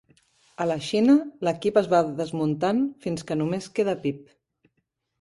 A la Xina, l'equip es va desmuntant fins que només queda Pip.